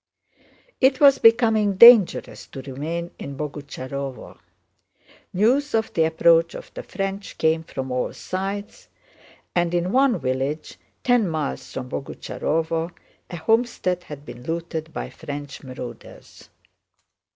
It was becoming dangerous to remain in Boguchárovo. News of the approach of the French came from all sides, and in one village, ten miles from Boguchárovo, a homestead had been looted by French marauders.